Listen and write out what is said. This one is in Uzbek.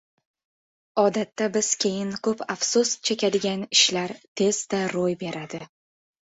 • Odatda biz keyin ko‘p afsus chekadigan ishlar tezda ro‘y beradi.